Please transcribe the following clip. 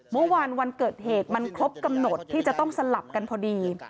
วันเกิดเหตุมันครบกำหนดที่จะต้องสลับกันพอดี